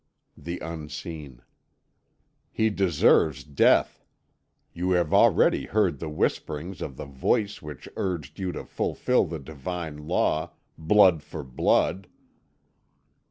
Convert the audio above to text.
The Unseen: "He deserves death! You have already heard the whisperings of the voice which urged you to fulfil the divine law, Blood for blood!"